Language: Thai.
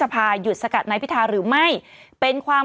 ไปถามใหม่